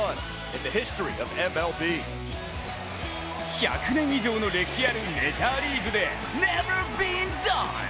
１００年以上の歴史あるメジャーリーグでネバー・ビーン・ダン！